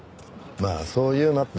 まあそう言うなって。